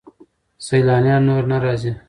سیلانیان نور نه راځي.